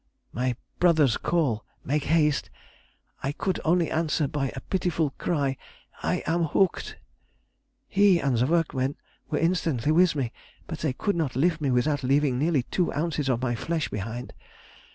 My brother's call, "Make haste!" I could only answer by a pitiful cry, "I am hooked!" He and the workmen were instantly with me, but they could not lift me without leaving nearly two ounces of my flesh behind.